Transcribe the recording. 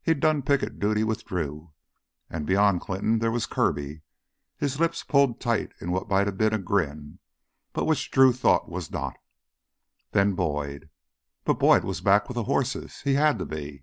He'd done picket duty with Drew. And beyond Clinton there was Kirby, his lips pulled tight in what might have been a grin, but which Drew thought was not. Then ... Boyd! But Boyd was back with the horses; he had to be!